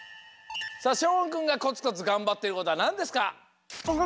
さあしょうおんくんがコツコツがんばってることはなんですか？